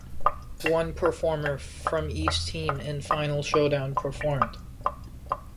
One performer from each team in final showdown performed.